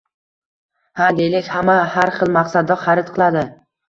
— Ha, deylik, hamma har xil maqsadda xarid qiladi.